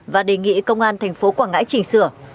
và đề nghị công an thành phố quảng ngãi chỉnh sửa